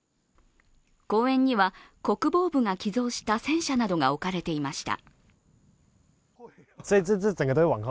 公園には、国防部が寄贈した戦車などが置かれていました。